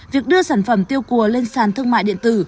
việc đưa sản phẩm tiêu cua lên sàn thương mại điện tử